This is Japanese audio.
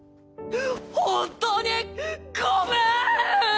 本当にごめん！